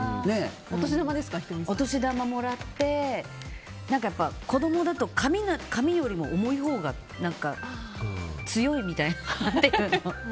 お年玉をもらって子供だと紙より重いほうが強いみたいな。